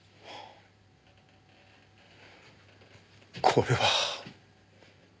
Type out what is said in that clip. これは。